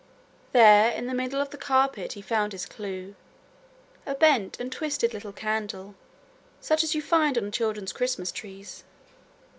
There in the middle of the carpet he found his clue, a bent and twisted little candle such as you find on children's Christmas trees.